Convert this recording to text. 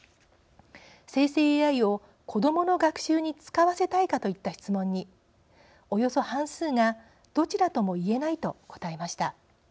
生成ＡＩを子どもの学習に使わせたいかといった質問に、およそ半数がどちらともいえないと答えました。